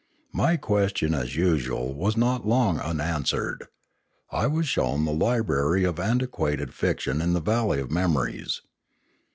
My question as usual was not long unanswered. I was shown the library of antiquated fiction in the valley of memories.